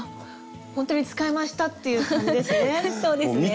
ほんとに使い回したっていう感じですね。